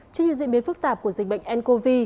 trên những diễn biến phức tạp của dịch bệnh ncov